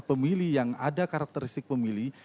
pemilih yang ada karakteristik pemilih